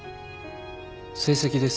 成績です。